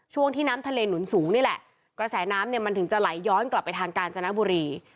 ช่วงที่น้ำทะเลหนุนสูงนี่แหละกระแสน้ำเนี่ยมันถึงจะไหลย้อนกลับไปทางกาญจนบุรี